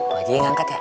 lo aja yang angkat ya